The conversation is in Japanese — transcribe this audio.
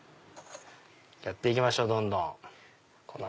やって行きましょうどんどん。